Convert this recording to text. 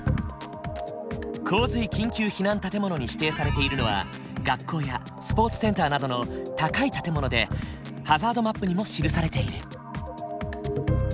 洪水緊急避難建物に指定されているのは学校やスポーツセンターなどの高い建物でハザードマップにも記されている。